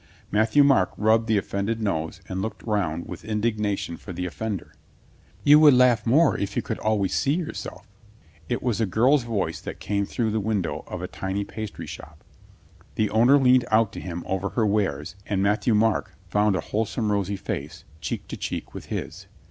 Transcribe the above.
Matthieu Marc rubbed the offended nose and looked round with indignation for the offender. "You would laugh more if you could always see yourself," he was assured. It was a girl's voice that came through the window of a tiny pastry shop. The owner leaned out to him over her wares and Matthieu M.arc found a wholesome rosy face cheek to cheek with his.